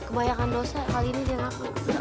kebanyakan dosa kali ini dia ngaku